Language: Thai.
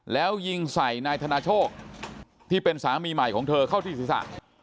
แล้วยิงใส่นายธนาโชคที่เป็นสามีใหม่ของเธอเข้าที่ศีรษะ